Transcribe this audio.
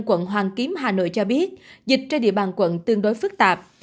quận hoàn kiếm hà nội cho biết dịch trên địa bàn quận tương đối phức tạp